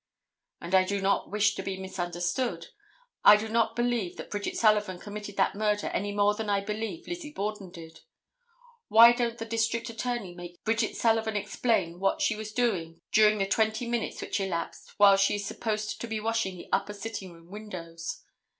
"And I do not wish to be misunderstood. I do not believe that Bridget Sullivan committed that murder any more than I believe Lizzie Borden did. Why don't the District Attorney make Bridget Sullivan explain what she was doing during the twenty minutes which elapsed while she is supposed to be washing the upper sitting room windows?